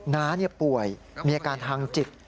น้าป่วยมีอาการทางจิต